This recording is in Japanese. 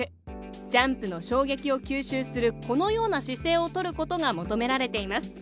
ジャンプの衝撃を吸収する、このような姿勢を取ることが求められています。